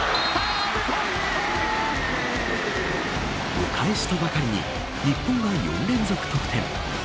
お返しとばかりに日本が４連続得点。